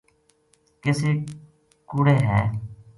کِسے کُوڑے ہے